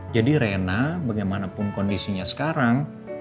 jadi rena bagaimanapun kondisinya sekarang